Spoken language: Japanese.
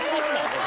これ。